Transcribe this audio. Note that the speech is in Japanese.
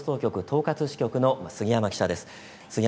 東葛支局の杉山記者です。